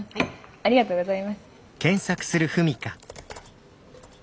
ありがとうございます。